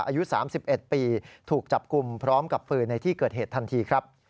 อายุ๓๑ปีถูกจับกลุ่มพร้อมกับปืนในที่เกิดเหตุทันทีครับ